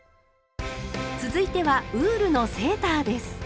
続いてはウールのセーターです。